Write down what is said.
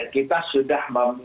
kita sudah memiliki ya